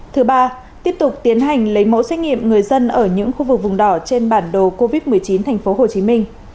thứ ba tiếp tục tiến hành lấy mẫu xét nghiệm người dân ở những khu vực vùng đỏ trên bản đồ covid một mươi chín tp hcm